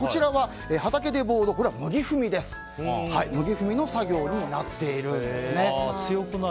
畑でボードは麦踏みの作業になっているんですね。